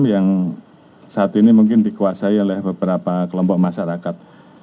yang saat ini mungkin dikuasai oleh beberapa kelompok masyarakat